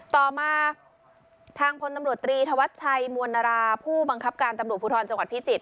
ต่อมาทางพลตำรวจตรีธวัชชัยมวลนาราผู้บังคับการตำรวจภูทรจังหวัดพิจิตร